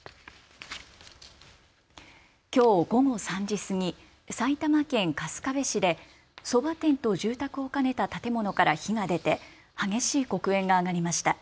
きょう午後３時過ぎ埼玉県春日部市でそば店と住宅を兼ねた建物から火が出て激しい黒煙が上がりました。